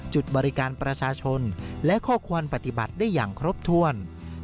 จุดบริการประชาชนและข้อควรปฏิบัติได้อย่างครบถ้วน